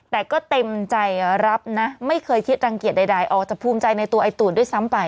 แต่ก็เต็มใจรับนะไม่เคยคิดรังเกียจใดออกแต่ภูมิใจในตัวไอ้ตูนด้วยซ้ำไป